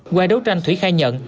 qua đấu tranh thủy khai nhận